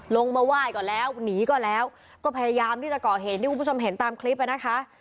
ลงมาไหว้ก่อนแล้วหนีก็แล้วก็พยายามที่จะก่อเหตุที่คุณผู้ชมเห็นตามคลิปอ่ะนะคะ